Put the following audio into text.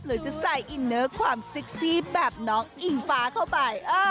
หรือจะใส่อินเนอร์ความเซ็กซี่แบบน้องอิงฟ้าเข้าไป